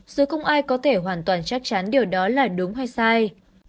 rồi không ai có thể hoàn toàn chắc chắn điều đó là đúng hay sai